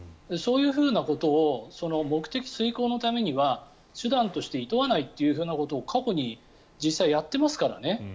そういうことを目的遂行のためには手段としていとわないということを過去に実際にやっていますからね。